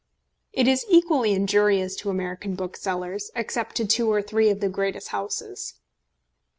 It is equally injurious to American booksellers, except to two or three of the greatest houses.